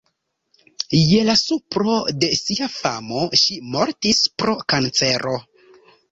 Je la supro de sia famo ŝi mortis pro kancero.